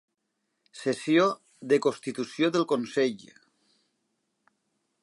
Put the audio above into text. Sessió de constitució del Consell.